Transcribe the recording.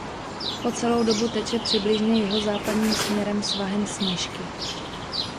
Po celou dobu teče přibližně jihozápadním směrem svahem Sněžky.